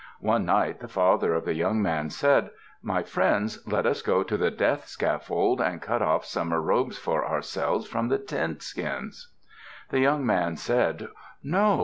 One night the father of the young man said, "My friends, let us go to the death scaffold and cut off summer robes for ourselves from the tent skins." The young man said, "No!